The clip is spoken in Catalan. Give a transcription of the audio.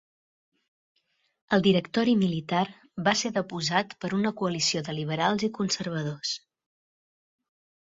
El directori militar va ser deposat per una coalició de liberals i conservadors.